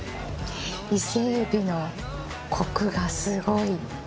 伊勢海老のコクがすごい。